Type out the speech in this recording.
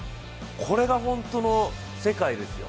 これが本当の世界ですよ。